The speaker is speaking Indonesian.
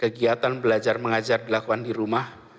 kegiatan belajar mengajar dilakukan di rumah